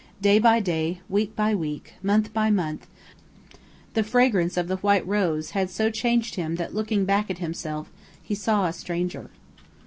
Day by day, week by week, month by month, the fragrance of the white rose had so changed him that looking back at himself, he saw a stranger.